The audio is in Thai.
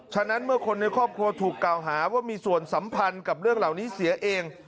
นั้นเมื่อคนในครอบครัวถูกกล่าวหาว่ามีส่วนสัมพันธ์กับเรื่องเหล่านี้เสียเอง